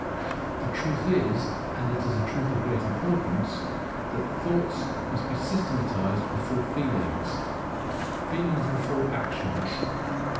The truth is, and it is a truth of great importance, that Thoughts must be systematized before Feelings, Feelings before Actions.